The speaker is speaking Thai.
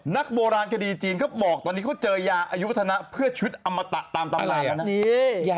นักโบราณคดีจีนเขาบอกตอนนี้เขาเจอยาอายุวัฒนะเพื่อชีวิตอมตะตามตำแหน่ง